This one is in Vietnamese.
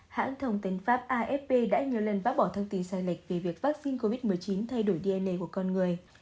hãng thông tấn pháp afp đã nhiều lần bác bỏ thông tin sai lệch về việc vaccine covid một mươi chín thay đổi dna của con người